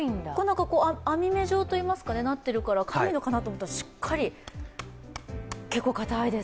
網目状になってるから軽いのかなと思ったらしっかり、結構硬いです。